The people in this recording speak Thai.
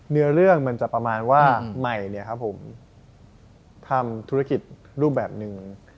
เนื้อเรื่องมันจะประมาณว่าใหม่ทำธุรกิจรูปแบบนึง